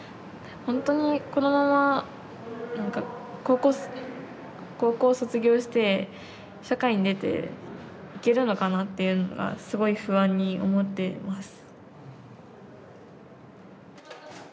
ほんとにこのままなんか高校卒業して社会に出ていけるのかなっていうのがすごい不安に思ってます。